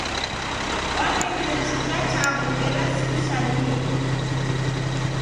Wamerie chija chaghu ela simshanie.